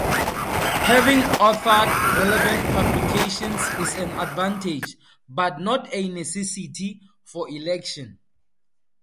Having authored relevant publications is an advantage, but not a necessity, for election.